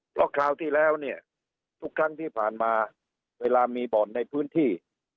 เพราะคราวที่แล้วเนี่ยทุกครั้งที่ผ่านมาเวลามีบ่อนในพื้นที่